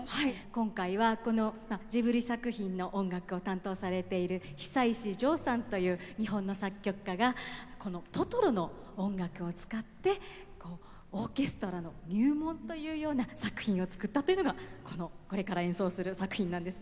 今回はこのジブリ作品の音楽を担当されている久石譲さんという日本の作曲家がこの「トトロ」の音楽を使ってオーケストラの入門というような作品を作ったというのがこれから演奏する作品なんです。